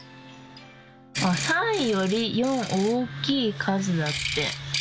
３より４大きい数だって。